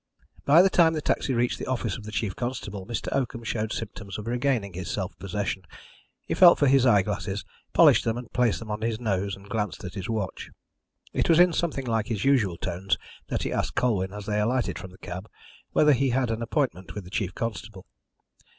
By the time the taxi reached the office of the chief constable Mr. Oakham showed symptoms of regaining his self possession. He felt for his eye glasses, polished them, placed them on his nose and glanced at his watch. It was in something like his usual tones that he asked Colwyn, as they alighted from the cab, whether he had an appointment with the chief constable.